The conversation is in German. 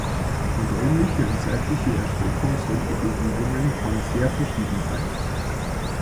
Die räumliche und zeitliche Erstreckung solcher Bewegungen kann sehr verschieden sein.